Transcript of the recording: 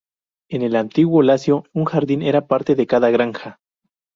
En el antiguo Lacio, un jardín era parte de cada granja.